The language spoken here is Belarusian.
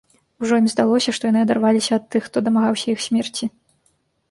Ужо ім здалося, што яны адарваліся ад тых, хто дамагаўся іх смерці.